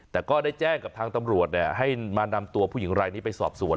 แต่ก็ได้แจ้งกับทางตำรวจให้มานำตัวผู้หญิงรายนี้ไปสอบสวน